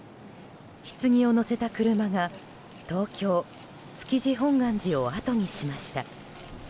ひつぎを乗せた車が東京・築地本願寺をあとにしました。